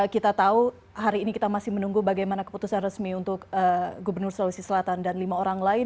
kita tahu hari ini kita masih menunggu bagaimana keputusan resmi untuk gubernur sulawesi selatan dan lima orang lain